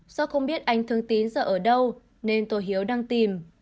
do không biết anh thương tín giờ ở đâu nên tôi hiếu đang tìm